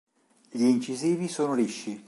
Gli incisivi sono lisci.